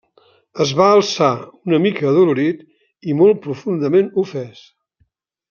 Es va alçar una mica adolorit i molt profundament ofès.